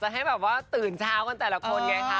ให้แบบว่าตื่นเช้ากันแต่ละคนไงคะ